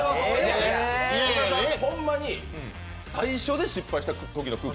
ホンマに最初で失敗したときの空気